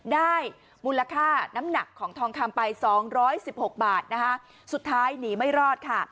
ได้มูลค่าน้ำหนักของทองคำไป๒๑๖บาทสุดท้ายหนีไม่รอดค่ะ